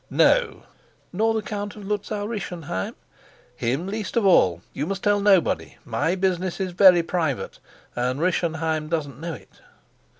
"No." "Nor the Count of Luzau Rischenheim?" "Him least of all. You must tell nobody. My business is very private, and Rischenheim doesn't know it."